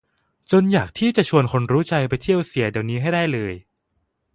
จนอยากที่จะชวนคนรู้ใจไปเที่ยวเสียเดี๋ยวนี้ให้ได้เลย